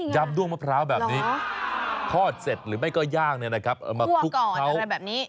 ยำด้วงมะพร้าวแบบนี้ทอดเสร็จหรือไม่ก็ย่างเนี้ยนะครับ